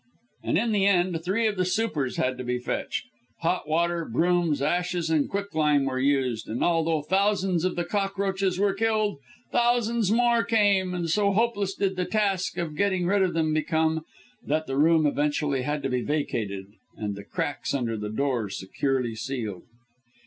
And in the end three of the supers had to be fetched. Hot water, brooms, ashes, and quicklime were used, and although thousands of the cockroaches were killed, thousands more came, and so hopeless did the task of getting rid of them become, that the room eventually had to be vacated, and the cracks under the door securely sealed.